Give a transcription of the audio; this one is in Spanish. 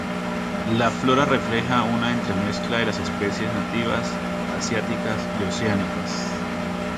La flora refleja una entremezcla de las especies nativas, Asiáticas y Oceánicas.